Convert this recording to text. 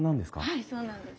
はいそうなんです。